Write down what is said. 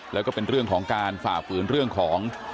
แล้วก็เป็นเรื่องของการฝ่าฝืนเรื่องของ